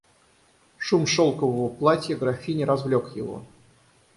Шум шелкового платья графини развлек его.